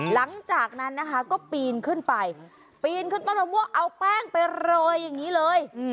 หลังจากนั้นนะคะก็ปีนขึ้นไปปีนขึ้นต้นมะม่วงเอาแป้งไปโรยอย่างนี้เลย